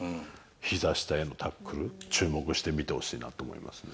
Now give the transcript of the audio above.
ひざ下へのタックル、注目して見てほしいなと思いますね。